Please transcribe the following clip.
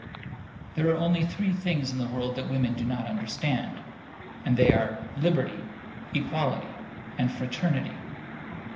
There are only three things in the world that women do not understand; and they are Liberty, Equality, and Fraternity.